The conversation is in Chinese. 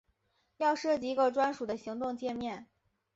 要设计一个专属的行动介面